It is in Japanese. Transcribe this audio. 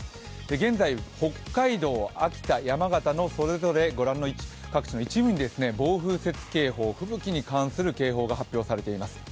現在、北海道、秋田、山形のそれぞれご覧の各地の一部に暴風雪警報、吹雪に関する警報が発表されています。